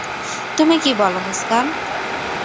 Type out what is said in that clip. তুমি কি বল, মুসকান?